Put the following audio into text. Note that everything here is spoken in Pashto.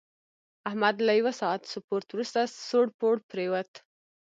احمد له یوه ساعت سپورت ورسته سوړ پوړ پرېوت.